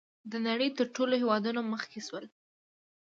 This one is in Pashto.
د نړۍ تر نورو هېوادونو مخکې شول.